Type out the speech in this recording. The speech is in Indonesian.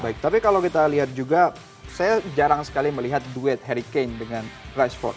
baik tapi kalau kita lihat juga saya jarang sekali melihat duet harry kane dengan rashford